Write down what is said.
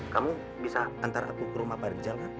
kamu bisa antar aku ke rumah pak rizal kan